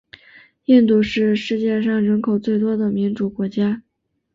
印度是世界上人口最多的民主国家。